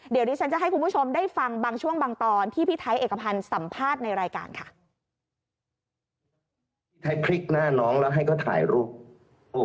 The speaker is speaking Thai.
เดี๋ยวดิฉันจะให้คุณผู้ชมได้ฟังบางช่วงบางตอนที่พี่ไทยเอกพันธ์สัมภาษณ์ในรายการค่ะ